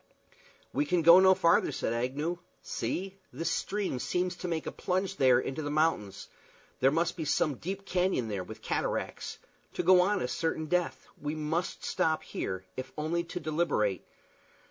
"We can go no farther," said Agnew. "See this stream seems to make a plunge there into the mountains. There must be some deep canyon there with cataracts. To go on is certain death. We must stop here, if only to deliberate.